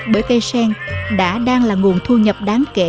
bởi cây sen đã đang là nguồn thu nhập đáng kể